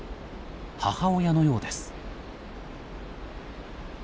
母親のようです。